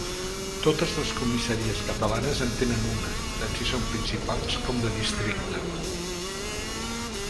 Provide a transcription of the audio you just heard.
Totes les comissaries catalanes en tenen una, tant si són principals com de districte.